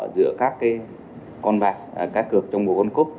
giữa các con bạc cá cược trong một con cúp